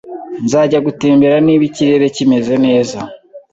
Nzajya gutembera niba ikirere kimeze neza